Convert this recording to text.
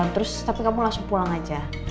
terus tapi kamu langsung pulang aja